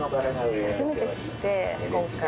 初めて知って今回。